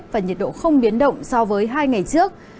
và nhiệt độ không biến động so với hai ngày trước